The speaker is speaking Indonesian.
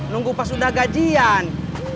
nunggu pas sudah gajian